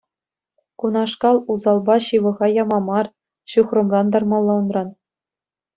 Кунашкал усалпа ҫывӑха яма мар, ҫухрӑмран тармалла унран.